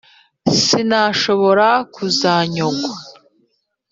Sinashobora kuzanyongwa